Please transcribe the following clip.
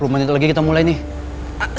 sepuluh menit lagi kita mulai nih